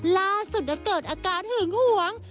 ล่าสุดเกิดอาการหึงหวง